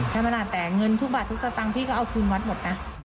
ใช่ไหมนะแต่เงินทุกบาททุกสตางค์พี่ก็เอาพื้นวัดหมดนะ